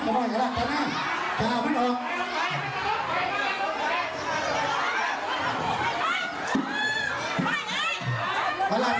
หลุมจักรชา